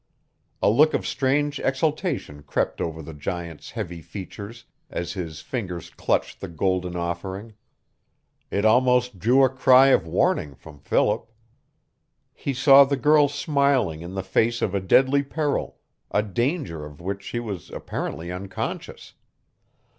A look of strange exultation crept over the giant's heavy features as his fingers clutched the golden offering. It almost drew a cry of warning from Philip. He saw the girl smiling in the face of a deadly peril a danger of which she was apparently unconscious.